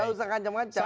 nggak usah ancam ancam